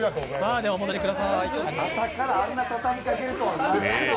朝からあんなにたたみかけるとはな。